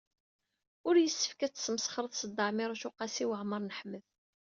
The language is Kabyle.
Ur yessefk ad tesmesxreḍ s Dda Ɛmiiruc u Qasi Waɛmer n Ḥmed.